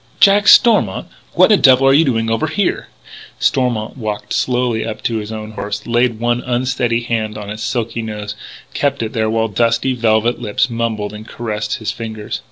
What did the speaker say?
Jack Stormont! What the devil are you doing over here?" Stormont walked slowly up to his own horse, laid one unsteady hand on its silky nose, kept it there while dusty, velvet lips mumbled and caressed his fingers.